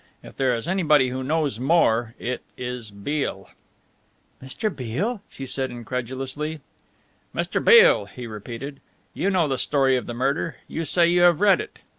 If there is anybody who knows more it is Beale." "Mr. Beale?" she said incredulously. "Mr. Beale," he repeated. "You know the story of the murder: you say you have read it.